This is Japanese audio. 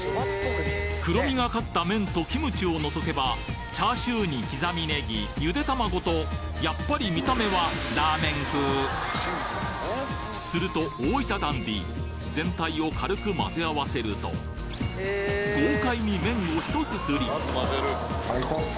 黒みがかった麺とキムチを除けばチャーシューに刻みネギゆで卵とやっぱり見た目はすると大分ダンディー全体を軽く混ぜ合わせると豪快に麺をひとすすり！